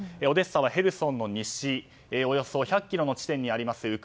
オデッサはヘルソンの西およそ１００ｋｍの地点にあります